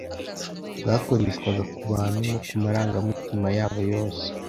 bwakoreshwaga ku bantu no ku marangamutima yabo yose